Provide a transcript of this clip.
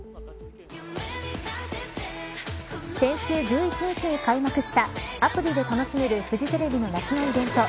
先週１１日に開幕したアプリで楽しめるフジテレビの夏のイベント